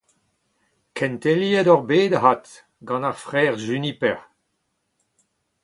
Kenteliet oc’h bet avat, gant ar frer Juniper.